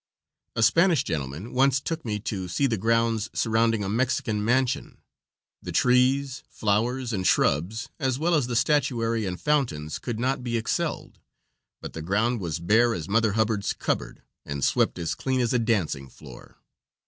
A Spanish gentleman once took me to see the grounds surrounding a Mexican mansion. The trees, flowers, and shrubs, as well as the statuary and fountains, could not be excelled, but the ground was bare as Mother Hubbard's cupboard, and swept as clean as a dancing floor.